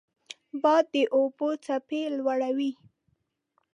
باد د اوبو څپې لوړوي